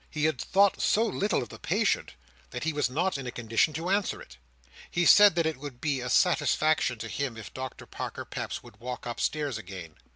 He had thought so little of the patient, that he was not in a condition to answer it. He said that it would be a satisfaction to him, if Doctor Parker Peps would walk upstairs again.